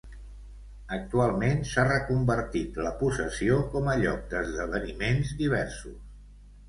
Actualment s'ha reconvertit la possessió com a lloc d'esdeveniments diversos.